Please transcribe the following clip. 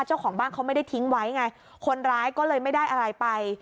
เจ้าของบ้านเขาไม่ได้ทิ้งไว้ไงคนร้ายก็เลยไม่ได้อะไรไป